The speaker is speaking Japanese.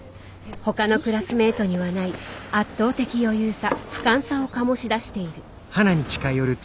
ほかのクラスメートにはない圧倒的余裕さ俯瞰さを醸し出している。